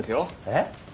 えっ？